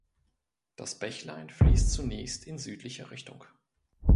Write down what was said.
Das Bächlein fließt zunächst in südlicher Richtung.